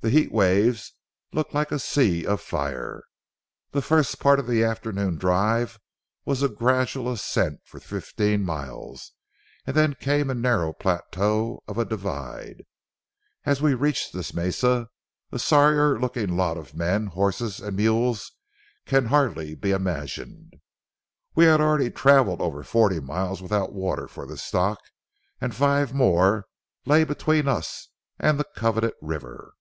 The heat waves looked like a sea of fire. The first part of the afternoon drive was a gradual ascent for fifteen miles, and then came a narrow plateau of a divide. As we reached this mesa, a sorrier looking lot of men, horses, and mules can hardly be imagined. We had already traveled over forty miles without water for the stock, and five more lay between us and the coveted river.